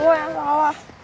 gue yang salah